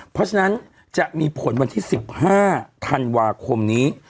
เพราะฉะนั้นจะมีผลวันที่๑๕ธันวาคมนี้